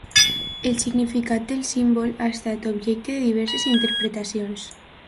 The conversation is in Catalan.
El significat del símbol ha estat objecte de diverses interpretacions.